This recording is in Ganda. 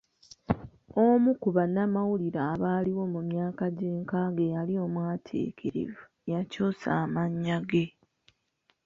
Omu ku bannamawulire abaaliwo mu myaka gy'ankaaga eyali omwatiikirivu, yakyusa amannya ge.